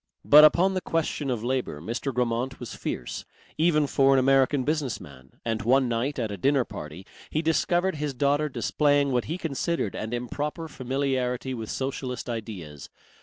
But upon the question of labour Mr. Grammont was fierce, even for an American business man, and one night at a dinner party he discovered his daughter displaying what he considered an improper familiarity with socialist ideas.